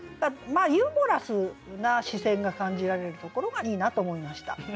ユーモラスな視線が感じられるところがいいなと思いました。